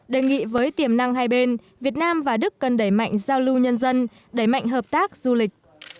đề nghị với tiềm năng hai bên việt nam và đức cần đẩy mạnh giao lưu nhân dân đẩy mạnh hợp tác du lịch